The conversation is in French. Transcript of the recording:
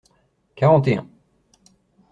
Quarante et un.